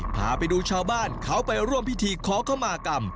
พาไปดูชาวบ้านเขาไปร่วมพิธีขอเข้ามากรรม